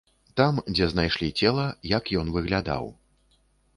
Там, дзе знайшлі цела, як ён выглядаў.